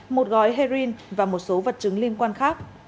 một gói heroin và một số vật chứng liên quan khác